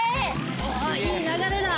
いい流れだ。